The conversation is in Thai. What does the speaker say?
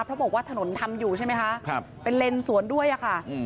เพราะบอกว่าถนนธรรมอยู่ใช่ไม่คะขออนุญาตเป็นเลนสวนด้วยค่ะ